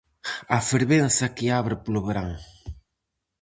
A fervenza que abre polo verán.